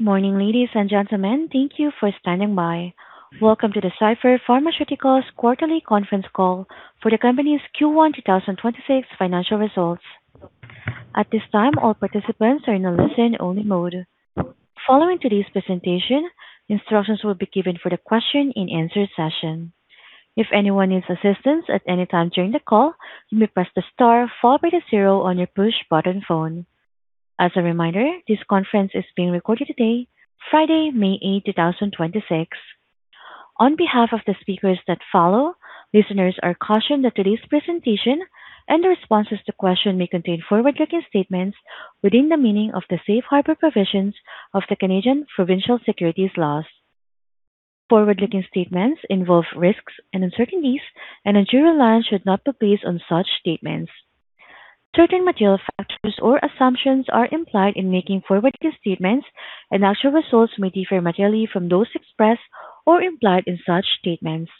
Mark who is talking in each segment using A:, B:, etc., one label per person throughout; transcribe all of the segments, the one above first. A: Morning, ladies and gentlemen. Thank you for standing by. Welcome to the Cipher Pharmaceuticals Quarterly Conference Call for the company's Q1 2026 financial results. At this time, all participants are in a listen-only mode. Following today's presentation, instructions will be given for the question and answer session. If anyone needs assistance at any time during the call, you may press the star followed by the zero on your push-button phone. As a reminder, this conference is being recorded today, Friday, May 8th, 2026. On behalf of the speakers that follow, listeners are cautioned that today's presentation and the responses to questions may contain forward-looking statements within the meaning of the safe harbor provisions of the Canadian provincial securities laws. Forward-looking statements involve risks and uncertainties, and undue reliance should not be placed on such statements. Certain material factors or assumptions are implied in making forward-looking statements, and actual results may differ materially from those expressed or implied in such statements.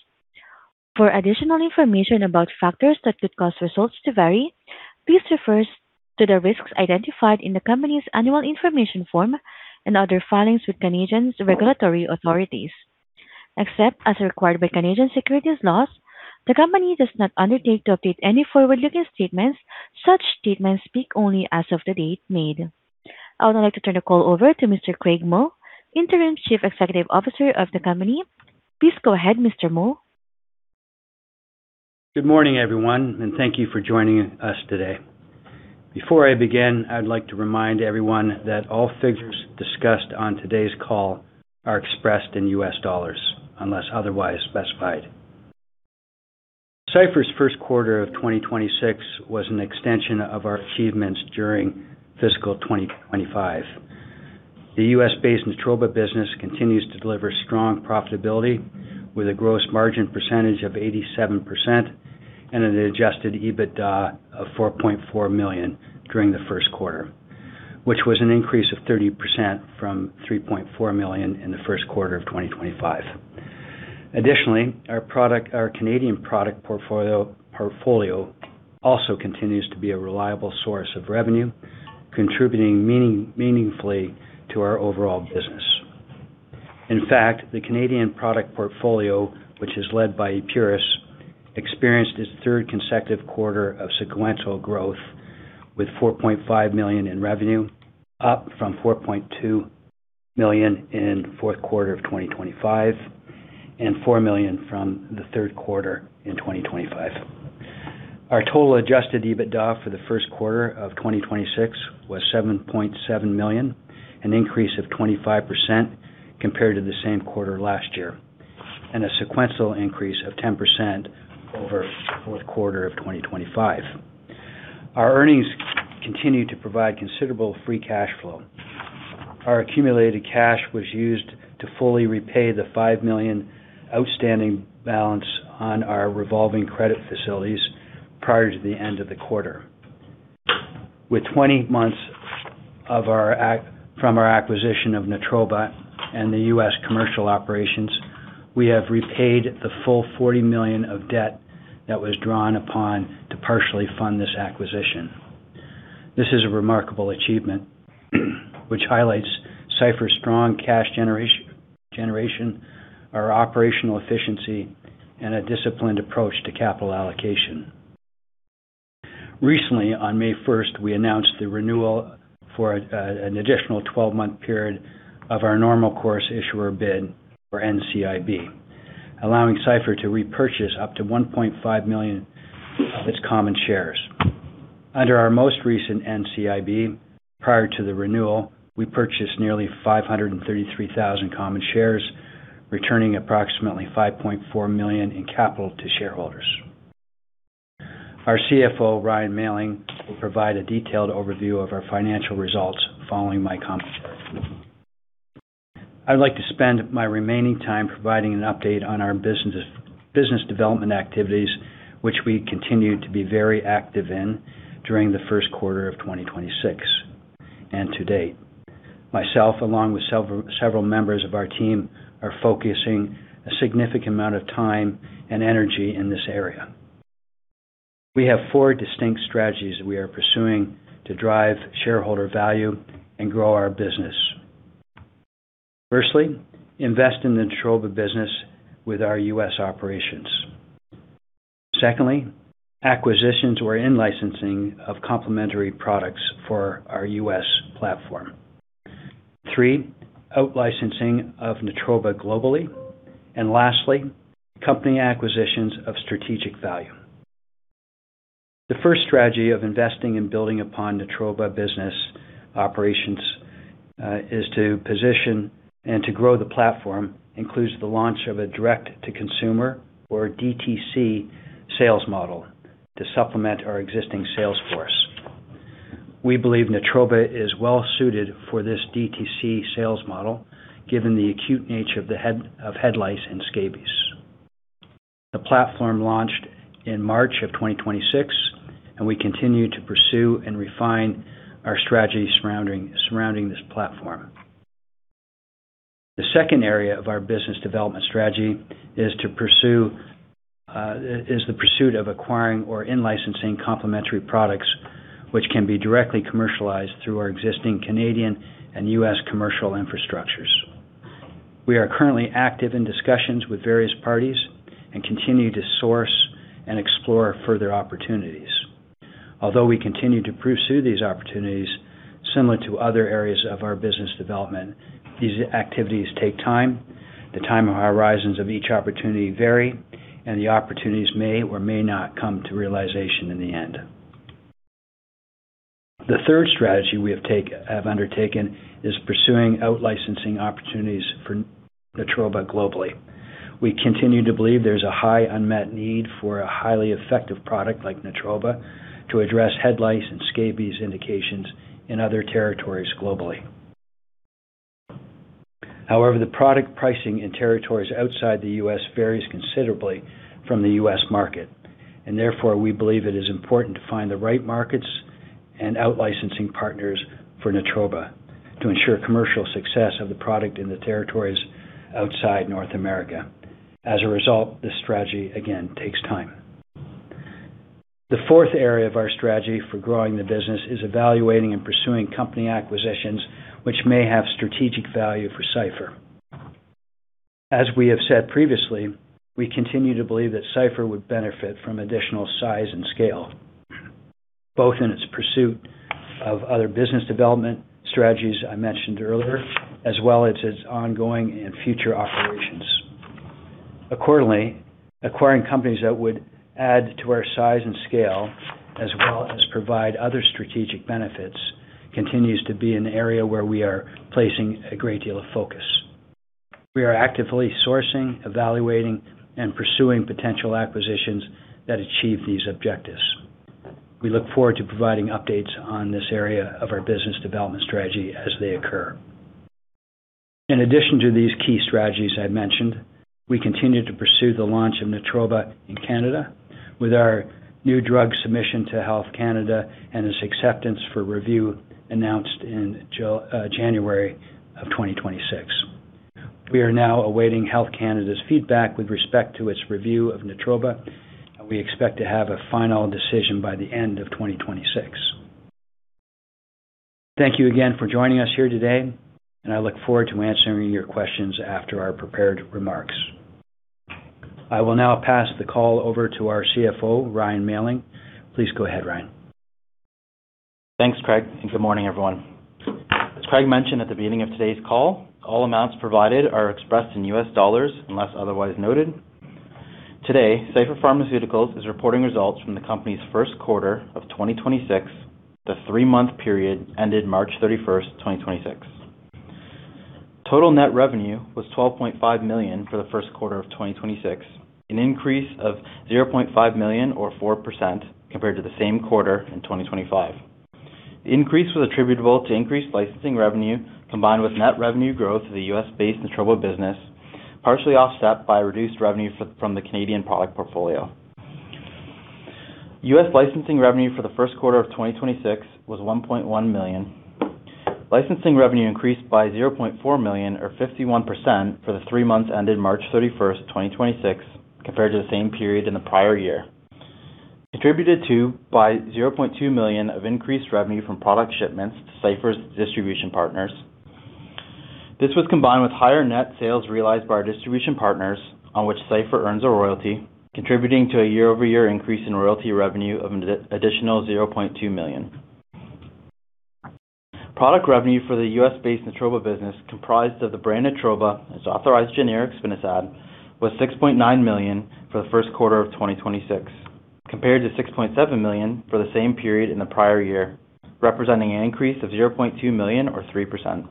A: For additional information about factors that could cause results to vary, please refer to the risks identified in the company's annual information form and other filings with Canadian regulatory authorities. Except as required by Canadian securities laws, the company does not undertake to update any forward-looking statements. Such statements speak only as of the date made. I would now like to turn the call over to Mr. Craig Mull, Interim Chief Executive Officer of the company. Please go ahead, Mr. Mull.
B: Good morning, everyone, and thank you for joining us today. Before I begin, I'd like to remind everyone that all figures discussed on today's call are expressed in U.S. dollars unless otherwise specified. Cipher's first quarter of 2026 was an extension of our achievements during fiscal 2025. The U.S.-based Natroba business continues to deliver strong profitability with a gross margin percentage of 87% and an adjusted EBITDA of $4.4 million during the first quarter, which was an increase of 30% from $3.4 million in the first quarter of 2025. Additionally, our Canadian product portfolio also continues to be a reliable source of revenue, contributing meaningfully to our overall business. In fact, the Canadian product portfolio, which is led by Epuris, experienced its third consecutive quarter of sequential growth with $4.5 million in revenue, up from $4.2 million in fourth quarter of 2025 and $4 million from the third quarter in 2025. Our total adjusted EBITDA for the first quarter of 2026 was $7.7 million, an increase of 25% compared to the same quarter last year, and a sequential increase of 10% over fourth quarter of 2025. Our earnings continue to provide considerable free cash flow. Our accumulated cash was used to fully repay the $5 million outstanding balance on our revolving credit facilities prior to the end of the quarter. With 20 months from our acquisition of Natroba and the U.S. commercial operations, we have repaid the full $40 million of debt that was drawn upon to partially fund this acquisition. This is a remarkable achievement which highlights Cipher's strong cash generation, our operational efficiency, and a disciplined approach to capital allocation. Recently, on May 1st, we announced the renewal for an additional 12-month period of our normal course issuer bid or NCIB, allowing Cipher to repurchase up to 1.5 million of its common shares. Under our most recent NCIB, prior to the renewal, we purchased nearly 533,000 common shares, returning approximately $5.4 million in capital to shareholders. Our CFO, Ryan Mailling, will provide a detailed overview of our financial results following my comments. I'd like to spend my remaining time providing an update on our business development activities, which we continue to be very active in during the first quarter of 2026 and to date. Myself, along with several members of our team, are focusing a significant amount of time and energy in this area. We have four distinct strategies we are pursuing to drive shareholder value and grow our business. Firstly, invest in the Natroba business with our U.S. operations. Secondly, acquisitions or in-licensing of complementary products for our U.S. platform. Three, out-licensing of Natroba globally. Lastly, company acquisitions of strategic value. The first strategy of investing and building upon Natroba business operations, is to position and to grow the platform, includes the launch of a direct-to-consumer or DTC sales model to supplement our existing sales force. We believe Natroba is well-suited for this DTC sales model given the acute nature of head lice and scabies. The platform launched in March of 2026, and we continue to pursue and refine our strategy surrounding this platform. The second area of our business development strategy is the pursuit of acquiring or in-licensing complementary products which can be directly commercialized through our existing Canadian and U.S. commercial infrastructures. We are currently active in discussions with various parties and continue to source and explore further opportunities. Although we continue to pursue these opportunities similar to other areas of our business development, these activities take time. The time horizons of each opportunity vary, and the opportunities may or may not come to realization in the end. The third strategy we have undertaken is pursuing out-licensing opportunities for Natroba globally. We continue to believe there's a high unmet need for a highly effective product like Natroba to address head lice and scabies indications in other territories globally. However, the product pricing in territories outside the U.S. varies considerably from the U.S. market. Therefore, we believe it is important to find the right markets and out-licensing partners for Natroba to ensure commercial success of the product in the territories outside North America. As a result, this strategy again takes time. The fourth area of our strategy for growing the business is evaluating and pursuing company acquisitions which may have strategic value for Cipher. As we have said previously, we continue to believe that Cipher would benefit from additional size and scale, both in its pursuit of other business development strategies I mentioned earlier, as well as its ongoing and future operations. Accordingly, acquiring companies that would add to our size and scale as well as provide other strategic benefits continues to be an area where we are placing a great deal of focus. We are actively sourcing, evaluating, and pursuing potential acquisitions that achieve these objectives. We look forward to providing updates on this area of our business development strategy as they occur. In addition to these key strategies I mentioned, we continue to pursue the launch of Natroba in Canada with our new drug submission to Health Canada and its acceptance for review announced in January of 2026. We are now awaiting Health Canada's feedback with respect to its review of Natroba, and we expect to have a final decision by the end of 2026. Thank you again for joining us here today, and I look forward to answering your questions after our prepared remarks. I will now pass the call over to our CFO, Ryan Mailling. Please go ahead, Ryan.
C: Thanks, Craig, and good morning, everyone. As Craig mentioned at the beginning of today's call, all amounts provided are expressed in U.S. dollars unless otherwise noted. Today, Cipher Pharmaceuticals is reporting results from the company's first quarter of 2026, the three-month period ended March 31, 2026. Total net revenue was $12.5 million for the first quarter of 2026, an increase of $0.5 million or 4% compared to the same quarter in 2025. The increase was attributable to increased licensing revenue combined with net revenue growth of the U.S.-based Natroba business, partially offset by reduced revenue from the Canadian product portfolio. U.S. licensing revenue for the first quarter of 2026 was $1.1 million. Licensing revenue increased by $0.4 million or 51% for the 3 months ended March 31, 2026, compared to the same period in the prior year, contributed to by $0.2 million of increased revenue from product shipments to Cipher's distribution partners. This was combined with higher net sales realized by our distribution partners on which Cipher earns a royalty, contributing to a year-over-year increase in royalty revenue of an additional $0.2 million. Product revenue for the U.S.-based Natroba business comprised of the brand Natroba and its authorized generic, spinosad, was $6.9 million for the first quarter of 2026, compared to $6.7 million for the same period in the prior year, representing an increase of $0.2 million or 3%.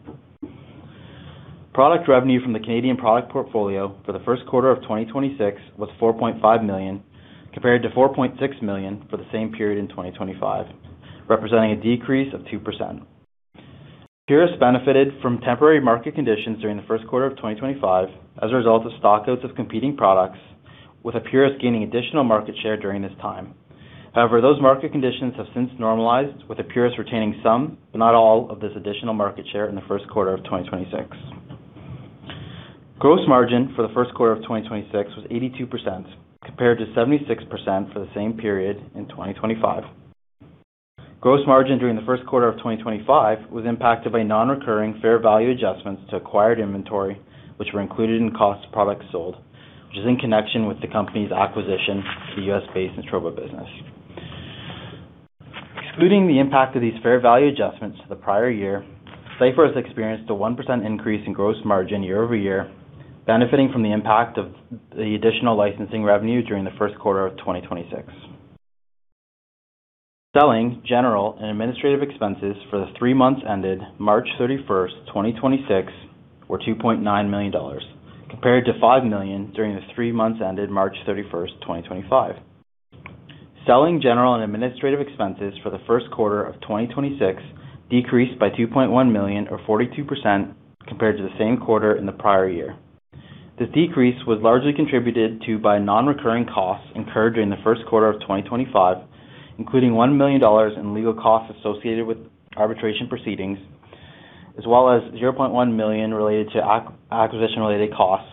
C: Product revenue from the Canadian product portfolio for the first quarter of 2026 was $4.5 million, compared to $4.6 million for the same period in 2025, representing a decrease of 2%. Epuris benefited from temporary market conditions during the first quarter of 2025 as a result of stock outs of competing products, with Epuris gaining additional market share during this time. Those market conditions have since normalized, with Epuris retaining some, but not all of this additional market share in the first quarter of 2026. Gross margin for the first quarter of 2026 was 82%, compared to 76% for the same period in 2025. Gross margin during the first quarter of 2025 was impacted by non-recurring fair value adjustments to acquired inventory, which were included in cost of products sold, which is in connection with the company's acquisition to the U.S.-based Natroba business. Excluding the impact of these fair value adjustments to the prior year, Cipher has experienced a 1% increase in gross margin year-over-year, benefiting from the impact of the additional licensing revenue during the first quarter of 2026. Selling, general, and administrative expenses for the three months ended March 31st, 2026 were $2.9 million, compared to $5 million during the three months ended March 31st, 2025. Selling, general and administrative expenses for the first quarter of 2026 decreased by $2.1 million or 42% compared to the same quarter in the prior year. The decrease was largely contributed to by non-recurring costs incurred during the first quarter of 2025, including $1 million in legal costs associated with arbitration proceedings, as well as $0.1 million related to acquisition related costs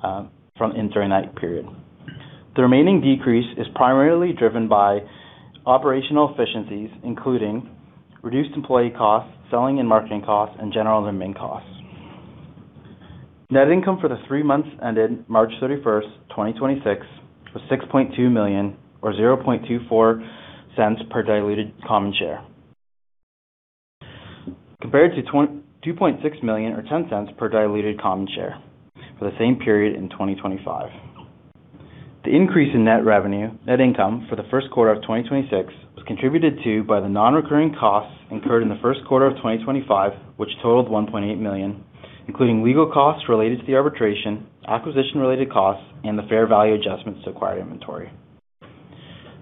C: from entering that period. The remaining decrease is primarily driven by operational efficiencies, including reduced employee costs, selling and marketing costs, and general remaining costs. Net income for the three months ended March 31, 2026 was $6.2 million or $0.24 per diluted common share. Compared to $2.6 million or $0.10 per diluted common share for the same period in 2025. The increase in net income for the first quarter of 2026 was contributed to by the non-recurring costs incurred in the first quarter of 2025, which totaled $1.8 million, including legal costs related to the arbitration, acquisition-related costs, and the fair value adjustments to acquired inventory.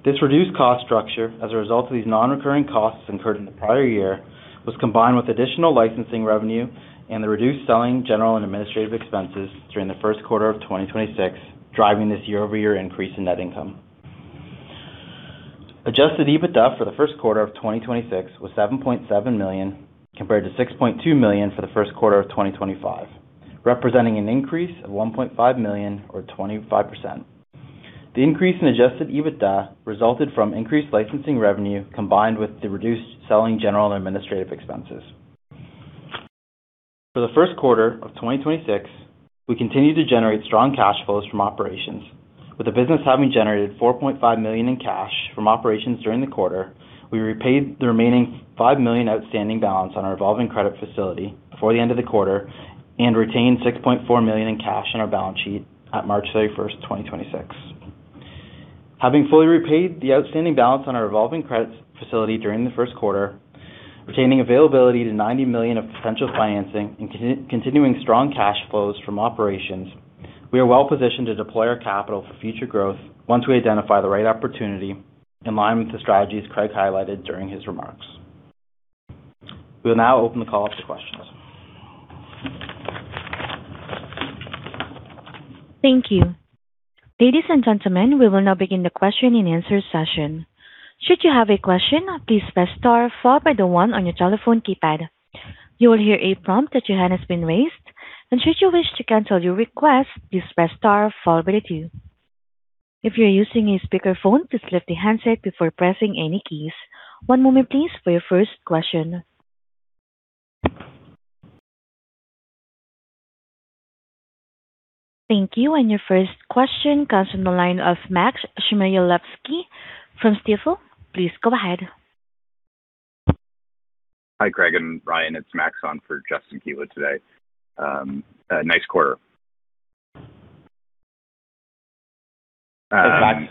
C: This reduced cost structure as a result of these non-recurring costs incurred in the prior year, was combined with additional licensing revenue and the reduced selling, general and administrative expenses during the first quarter of 2026, driving this year-over-year increase in net income. Adjusted EBITDA for the first quarter of 2026 was $7.7 million, compared to $6.2 million for the first quarter of 2025, representing an increase of $1.5 million or 25%. The increase in adjusted EBITDA resulted from increased licensing revenue combined with the reduced selling, general and administrative expenses. For the first quarter of 2026, we continued to generate strong cash flows from operations. With the business having generated $4.5 million in cash from operations during the quarter, we repaid the remaining $5 million outstanding balance on our revolving credit facility before the end of the quarter and retained $6.4 million in cash on our balance sheet at March 31st, 2026. Having fully repaid the outstanding balance on our revolving credit facility during the first quarter, retaining availability to $90 million of potential financing and continuing strong cash flows from operations, we are well positioned to deploy our capital for future growth once we identify the right opportunity in line with the strategies Craig highlighted during his remarks. We'll now open the call up to questions.
A: Thank you. Ladies and gentlemen, we will now begin the question and answer session. Should you have a question, please press star followed by the one on your telephone keypad. You will hear a prompt that your hand has been raised. Should you wish to cancel your request, please press star followed by the two. If you're using a speakerphone, please lift the handset before pressing any keys. One moment please for your first question. Thank you. Your first question comes from the line of Max Czmielewski from Stifel. Please go ahead.
D: Hi, Craig and Ryan. It's Max on for Justin Keywood today. A nice quarter.
C: Thanks,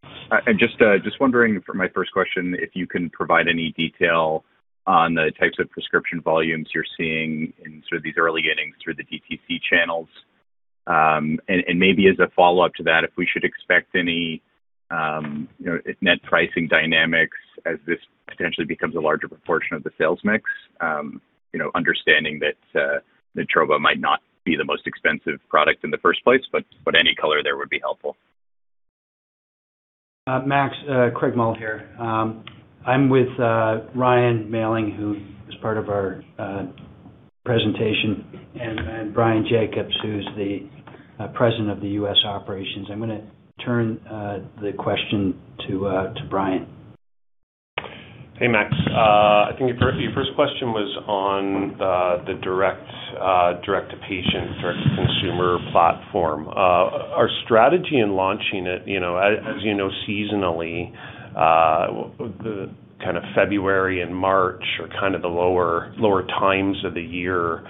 C: Max.
D: Just wondering for my first question, if you can provide any detail on the types of prescription volumes you're seeing in sort of these early innings through the DTC channels. And maybe as a follow-up to that, if we should expect any, you know, net pricing dynamics as this potentially becomes a larger proportion of the sales mix. You know, understanding that Natroba might not be the most expensive product in the first place, but any color there would be helpful.
B: Max, Craig Mull here. I'm with Ryan Mailling, who was part of our presentation, and Bryan Jacobs, who's the President of the U.S. Operations. I'm gonna turn the question to Bryan.
E: Hey, Max. I think your first question was on the direct to patient, direct to consumer platform. Our strategy in launching it, you know, as you know, seasonally, the kind of February and March are kind of the lower times of the year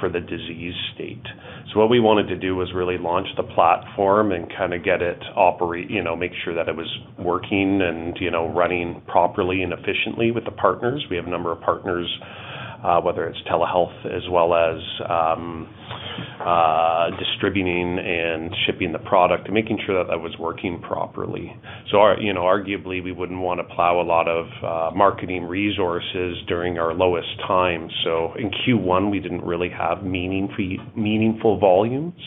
E: for the disease state. What we wanted to do was really launch the platform and kinda get it operate. You know, make sure that it was working and, you know, running properly and efficiently with the partners. We have a number of partners, whether it's telehealth as well as distributing and shipping the product and making sure that that was working properly. You know, arguably, we wouldn't want to plow a lot of marketing resources during our lowest time. In Q1, we didn't really have meaningful volumes,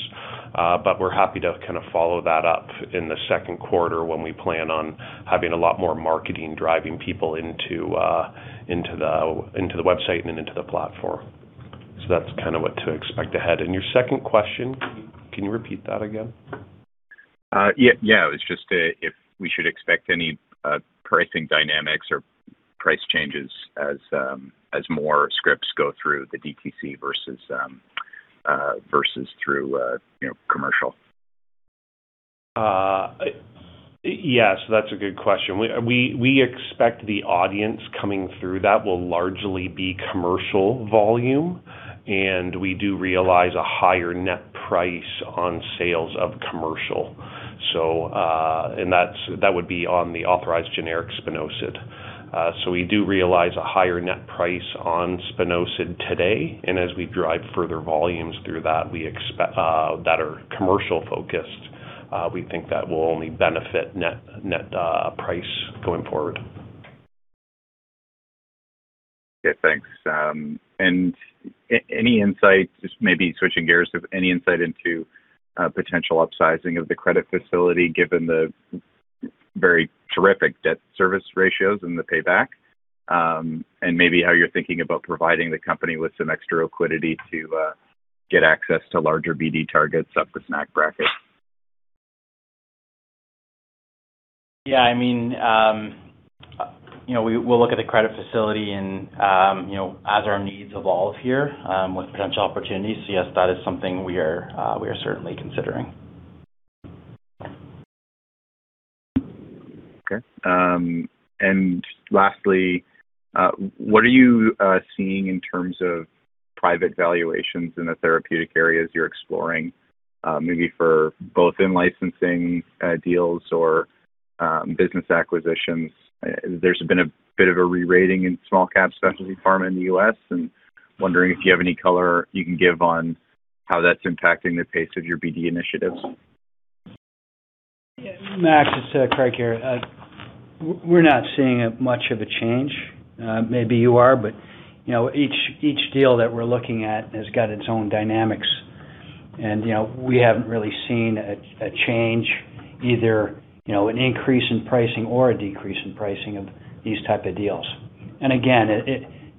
E: but we're happy to kind of follow that up in the second quarter when we plan on having a lot more marketing, driving people into the website and into the platform. That's kind of what to expect ahead. Your second question, can you repeat that again?
D: Yeah. It's just, if we should expect any pricing dynamics or price changes as more scripts go through the DTC versus through, you know, commercial?
E: Yes, that's a good question. We expect the audience coming through that will largely be commercial volume, and we do realize a higher net price on sales of commercial. That would be on the authorized generic spinosad. We do realize a higher net price on spinosad today. As we drive further volumes through that, we expect that are commercial-focused, we think that will only benefit net price going forward.
D: Yeah, thanks. Any insight, just maybe switching gears, of any insight into potential upsizing of the credit facility, given the very terrific debt service ratios and the payback? Maybe how you're thinking about providing the company with some extra liquidity to get access to larger BD targets up the snack bracket.
C: Yeah, I mean, you know, we'll look at the credit facility and, you know, as our needs evolve here, with potential opportunities. Yes, that is something we are certainly considering.
D: Okay. And lastly, what are you seeing in terms of private valuations in the therapeutic areas you're exploring, maybe for both in licensing deals or business acquisitions? There's been a bit of a rerating in small cap specialty pharma in the U.S., and wondering if you have any color you can give on how that's impacting the pace of your BD initiatives.
B: Yeah, Max, it's Craig here. We're not seeing a much of a change. Maybe you are, but, you know, each deal that we're looking at has got its own dynamics. You know, we haven't really seen a change, either, you know, an increase in pricing or a decrease in pricing of these type of deals. Again,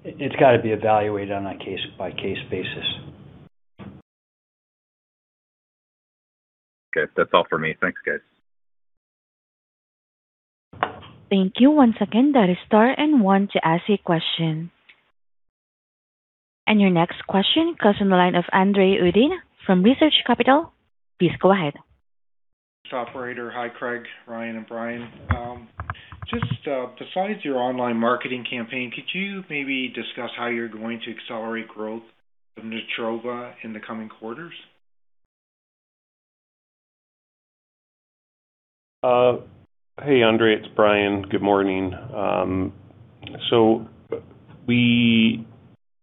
B: it's gotta be evaluated on a case-by-case basis.
D: Okay. That's all for me. Thanks, guys.
A: Thank you. Once again, that is star and one to ask a question. Your next question comes on the line of Andre Uddin from Research Capital. Please go ahead.
F: Thanks, operator. Hi, Craig, Ryan, and Bryan. Just, besides your online marketing campaign, could you maybe discuss how you're going to accelerate growth of Natroba in the coming quarters?
E: Hey, Andre, it's Bryan. Good morning.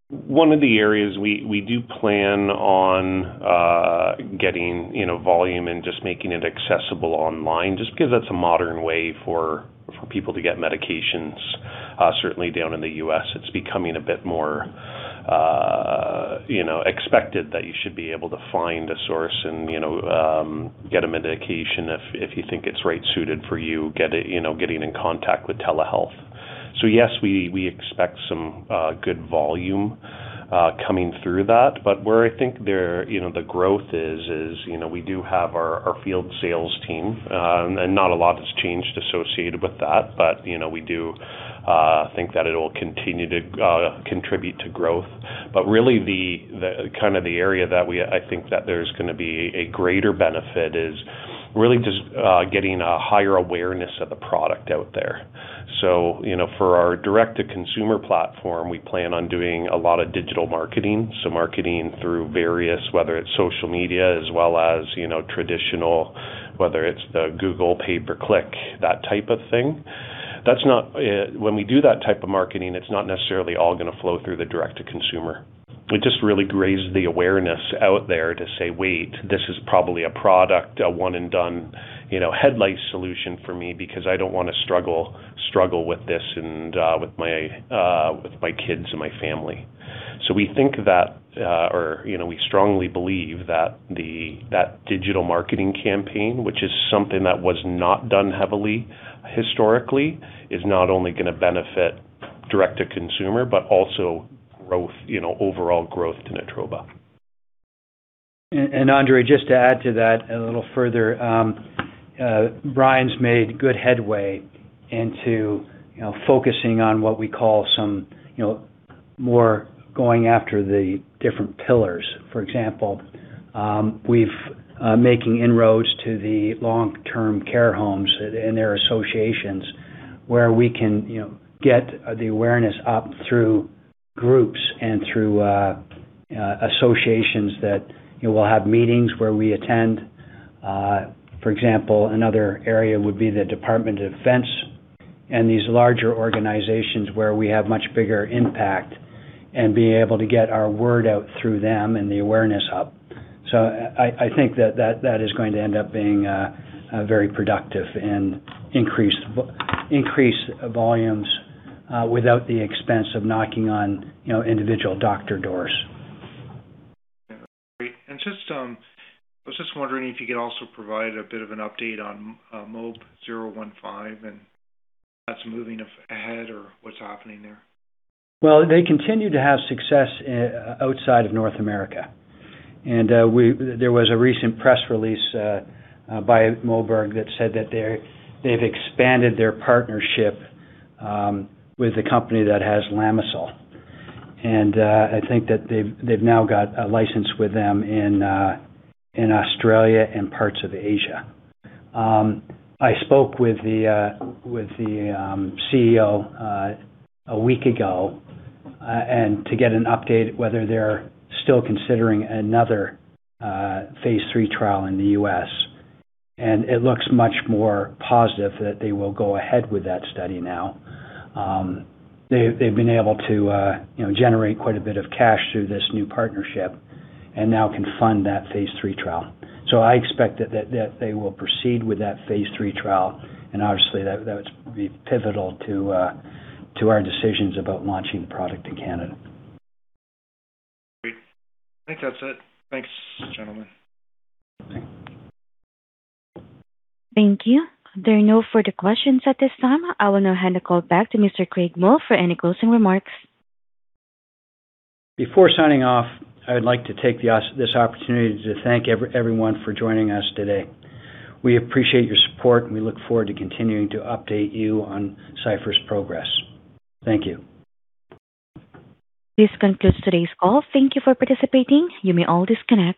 E: One of the areas we do plan on getting, you know, volume and just making it accessible online, just because that's a modern way for people to get medications. Certainly down in the U.S. it's becoming a bit more, you know, expected that you should be able to find a source and, you know, get a medication if you think it's right suited for you, get it, you know, getting in contact with telehealth. Yes, we expect some good volume coming through that. Where I think there, you know, the growth is, you know, we do have our field sales team. Not a lot has changed associated with that, but, you know, we do think that it'll continue to contribute to growth. Really the kind of the area that we, I think that there's gonna be a greater benefit is really just getting a higher awareness of the product out there. You know, for our direct-to-consumer platform, we plan on doing a lot of digital marketing, so marketing through various, whether it's social media as well as, you know, traditional, whether it's the Google pay-per-click, that type of thing. That's not when we do that type of marketing, it's not necessarily all gonna flow through the direct-to-consumer. It just really raises the awareness out there to say, "Wait, this is probably a product, a one-and-done, you know, head lice solution for me because I don't wanna struggle with this and with my kids and my family." We think that, or, you know, we strongly believe that digital marketing campaign, which is something that was not done heavily historically, is not only gonna benefit direct-to-consumer, but also growth, you know, overall growth to Natroba.
B: Andre, just to add to that a little further, Bryan's made good headway into, you know, focusing on what we call some, you know, more going after the different pillars. For example, we've making inroads to the long-term care homes and their associations where we can, you know, get the awareness up through groups and through associations that, you will have meetings where we attend. For example, another area would be the Department of Defense and these larger organizations where we have much bigger impact and being able to get our word out through them and the awareness up. I think that, that is going to end up being very productive and increase volumes without the expense of knocking on, you know, individual doctor doors.
F: Yeah. Great. Just, I was just wondering if you could also provide a bit of an update on MOB-015 and that's moving ahead or what's happening there.
B: Well, they continue to have success outside of North America. There was a recent press release by Moberg that said that they've expanded their partnership with the company that has Lamisil. I think that they've now got a license with them in Australia and parts of Asia. I spoke with the CEO a week ago to get an update whether they're still considering another phase III trial in the U.S., and it looks much more positive that they will go ahead with that study now. They've been able to, you know, generate quite a bit of cash through this new partnership and now can fund that phase III trial. I expect that they will proceed with that phase III trial, and obviously that would be pivotal to our decisions about launching the product in Canada.
F: Great. I think that's it. Thanks, gentlemen.
A: Thank you. There are no further questions at this time. I will now hand the call back to Mr. Craig Mull for any closing remarks.
B: Before signing off, I would like to take this opportunity to thank everyone for joining us today. We appreciate your support, and we look forward to continuing to update you on Cipher's progress. Thank you.
A: This concludes today's call. Thank you for participating. You may all disconnect.